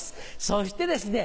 そしてですね